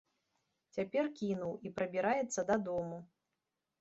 Цяпер кінуў і прабіраецца дадому.